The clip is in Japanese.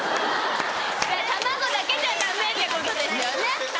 卵だけじゃダメってことですよね。